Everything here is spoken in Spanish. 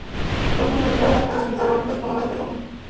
Rómulo y Remo son los mitológicos fundadores de Roma.